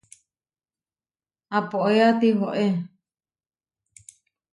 Apoéa tihoé.